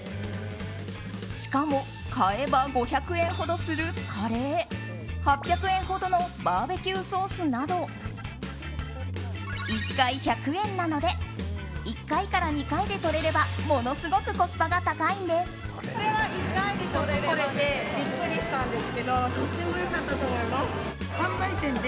しかも、買えば５００円ほどするカレー８００円ほどのバーベキューソースなど１回１００円なので１回から２回で取れればものすごくコスパが高いんです。